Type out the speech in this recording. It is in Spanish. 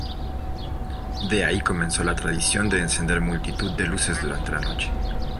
De ahí comenzó la tradición de encender multitud de luces durante la noche.